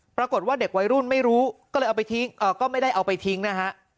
ปรากฏว่าเด็กวัยรุ่นไม่รู้ก็เลยเอาไปทิ้งก็ไม่ได้เอาไปทิ้งนะฮะ